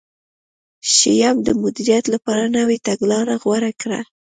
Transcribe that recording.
شیام د مدیریت لپاره نوې تګلاره غوره کړه.